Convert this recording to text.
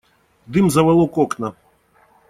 Дым заволок окна.